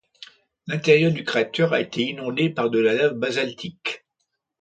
L'intérieur du cratère a été inondé par de la lave basaltique.